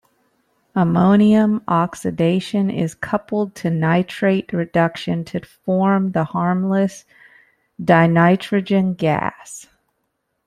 Ammonium oxidation is coupled to nitrite reduction to form the harmless dinitrogen gas.